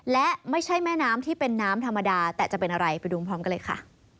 และไม่ใช่แม่น้ำที่เป็นน้ำธรรมดาแต่จะเป็นอะไรไปดูพร้อมกันเลยค่ะ